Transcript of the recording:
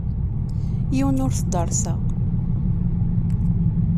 Yiwen ur t-derrseɣ.